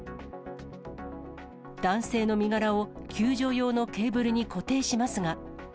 男性の身柄を救助用のケーブルに固定しますが。